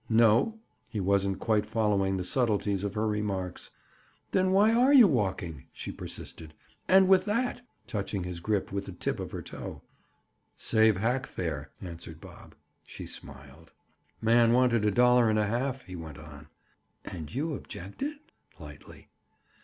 "No." He wasn't quite following the subtleties of her remarks. "Then why are you walking?" she persisted. "And with that?" Touching his grip with the tip of her toe. "Save hack fare," answered Bob. She smiled. "Man wanted a dollar and a half," he went on. "And you objected?" Lightly.